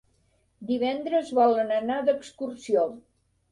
Divendres volen anar d'excursió.